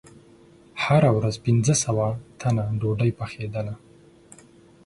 هره ورځ پنځه سوه تنه ډوډۍ پخېدله.